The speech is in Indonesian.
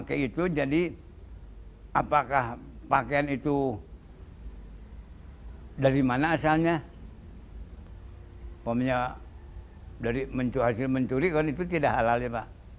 ini adalah hal yang hidup di masyarakat panjalu ciamis jawa barat